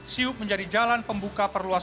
siuk menjadi jalan pembuka perusahaan